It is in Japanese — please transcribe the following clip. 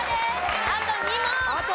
あと２問！